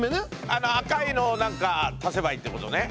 あの赤いのを何か足せばいいってことね。